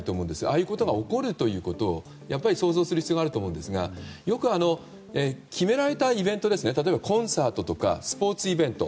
ああいうことが起こるということをやっぱり想像する必要があると思いますがよく、決められたイベント例えばコンサートとかスポーツイベント